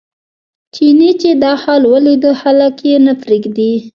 چیني چې دا حال ولیده خلک یې نه پرېږدي.